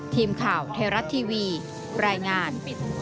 ทีมข่าวเทราะต์ทีวีรายงาน